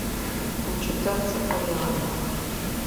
УкӀытэм цӀыфыр егъэдахэ.